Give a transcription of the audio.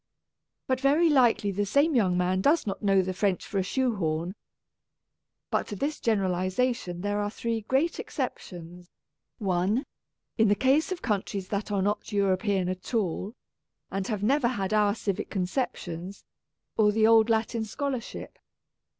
But very likely the same young man does not know the French for a shoe horn. But to this generalization there are three great excep tions, (i) In the case of countries that are not European at all, and have never had our civic conceptions, or the old Latin scholar ship.